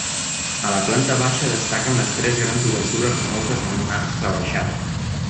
A la planta baixa destaquen les tres grans obertures resoltes amb un arc rebaixat.